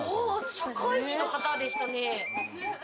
社会人の方でしたね。